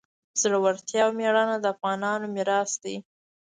زړورتیا او میړانه د افغانانو میراث دی.